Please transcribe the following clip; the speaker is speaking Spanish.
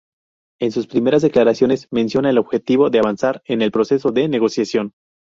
En sus primeras declaraciones menciona el objetivo de avanzar en el proceso de negociación.